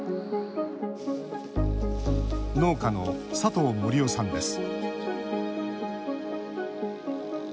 農家の佐藤盛雄さんです